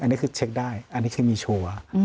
อันนี้คือเช็คได้อันนี้คือมีชัวร์